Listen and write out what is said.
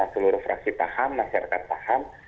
seluruh fraksi paham masyarakat paham